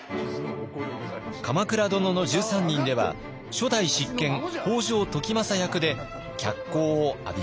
「鎌倉殿の１３人」では初代執権北条時政役で脚光を浴びました。